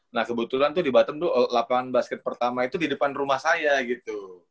nah kebetulan tuh di batam tuh lapangan basket pertama itu di depan rumah saya gitu